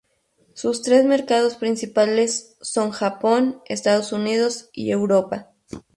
Sus tres mercados principales son Japón, Estados Unidos y Europa.